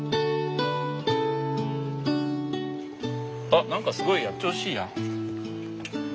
あっ何かすごいやん調子いいやん。